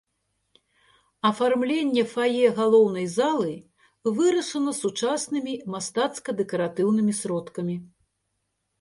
Афармленне фае галоўнай залы вырашана сучаснымі мастацка-дэкаратыўнымі сродкамі.